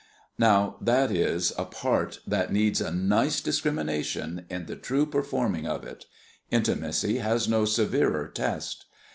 Now, that is a part that needs a nice discrimination in the true performing of it. Intimacy has no severer test.